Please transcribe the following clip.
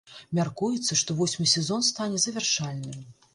Мяркуецца, што восьмы сезон стане завяршальным.